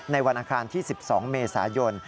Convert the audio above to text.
วันอังคารที่๑๒เมษายน